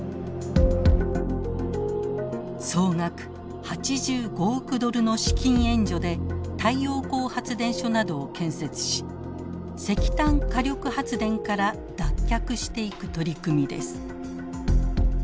総額８５億ドルの資金援助で太陽光発電所などを建設し石炭火力発電から脱却していく取り組みです。